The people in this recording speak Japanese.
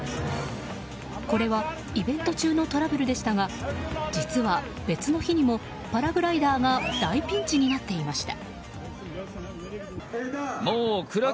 これはイベント中のトラブルでしたが実は別の日にもパラグライダーが大ピンチになっていました。